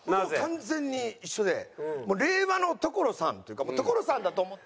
完全に一緒で令和の所さんというかもう所さんだと思って。